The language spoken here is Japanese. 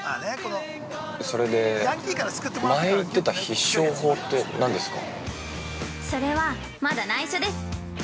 ◆それで、前言ってた必勝法って何ですか。